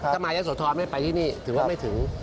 ถ้ามายะโสธรไม่ไปที่นี่ถือว่าไม่ถึง